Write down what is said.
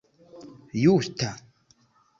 justa